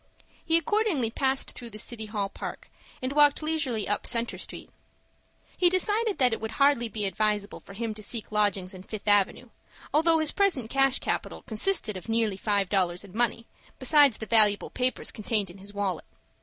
He accordingly passed through the City Hall Park, and walked leisurely up Centre Street. He decided that it would hardly be advisable for him to seek lodgings in Fifth Avenue, although his present cash capital consisted of nearly five dollars in money, besides the valuable papers contained in his wallet.